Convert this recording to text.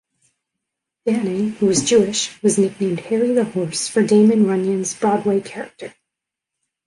Danning, who was Jewish, was nicknamed "Harry The Horse" for Damon Runyon's Broadway character.